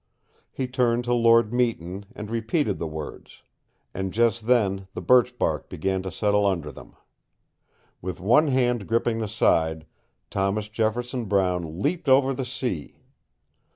He turned to Lord Meton, and repeated the words; and just then the birchbark began to settle under them. With one hand gripping the side, Thomas Jefferson Brown leaped over the sea.